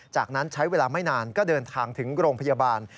จากนั้นใช้เวลาไม่นานก็เดินทางถึงโรงพยาบาล